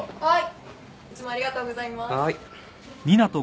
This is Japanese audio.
はい。